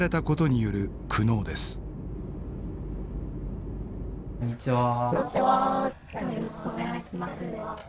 よろしくお願いします。